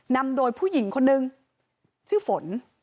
นำโดยผู้หญิงคนนึงชื่อฝน